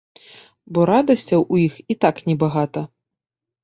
Бо радасцяў у іх і так небагата.